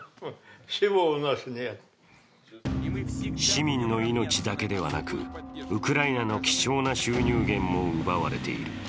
市民の命だけではなく、ウクライナの貴重な収入源も奪われている。